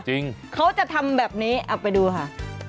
เขาจะทำแบบนี้เอาไปดูค่ะ